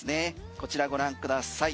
こちらご覧ください。